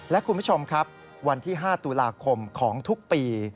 และคุณผู้ชมครับวันที่๕ตุลาคมของทุกปี